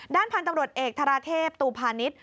ด้านพันธุ์ตำรวจเอกธาราเทพตูพาณิชย์